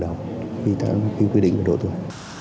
đó là một cái quy định của đội tuổi